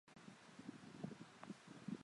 并不是每一种元件都遵守欧姆定律。